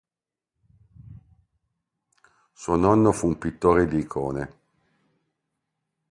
Suo nonno fu un pittore di icone.